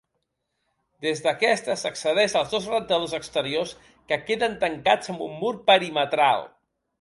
Des d'aquestes s'accedeix als dos rentadors exteriors, que queden tancats amb un mur perimetral.